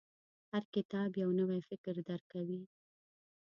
• هر کتاب، یو نوی فکر درکوي.